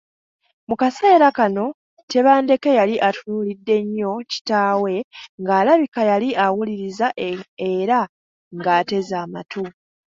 Mu kaseera kano, Tebandeke yali atunuulidde nnyo kitaawe nga alabika yali awuliriza era ng’ateze amatu.